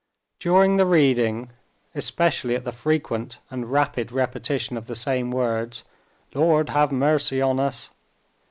During the reading, especially at the frequent and rapid repetition of the same words, "Lord, have mercy on us!"